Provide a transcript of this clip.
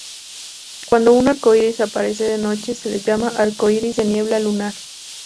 Cuando un arcoíris aparece de noche se le llama "arcoíris de niebla lunar".